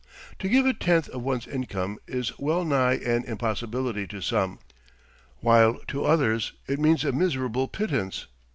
To give a tenth of one's income is wellnigh an impossibility to some, while to others it means a miserable pittance.